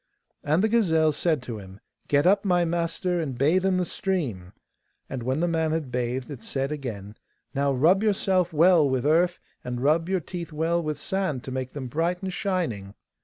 And the gazelle said to him, 'Get up, my master, and bathe in the stream!' and when the man had bathed it said again, 'Now rub yourself well with earth, and rub your teeth well with sand to make them bright and shining.